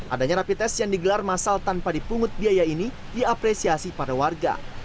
adanya rapi tes yang digelar masal tanpa dipungut biaya ini diapresiasi pada warga